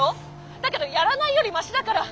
だけどやらないよりマシだから」。